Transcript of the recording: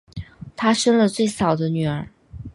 她生了最小的女儿